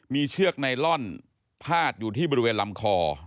มีเชือกไนลอนพาดอยู่ที่บริเวณลำคอ